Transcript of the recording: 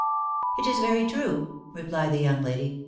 " It is very true," replied the young lady.